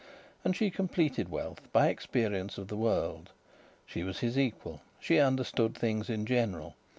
And she completed wealth by experience of the world. She was his equal. She understood things in general.